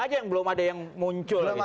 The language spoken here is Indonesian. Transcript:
aja yang belum ada yang muncul